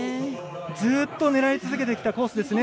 ずっと狙い続けてきたコースですね。